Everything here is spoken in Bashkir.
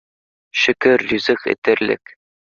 Шөкөр, ризыҡ етерлек.